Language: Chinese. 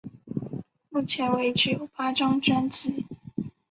目前为止出有八张专辑。